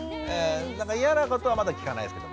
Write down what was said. なんか嫌なことはまだ聞かないです。